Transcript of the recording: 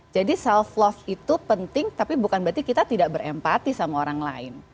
jadi self love itu penting tapi bukan berarti kita tidak berempati sama orang lain